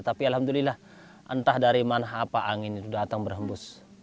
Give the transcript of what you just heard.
tapi alhamdulillah entah dari mana apa angin itu datang berhembus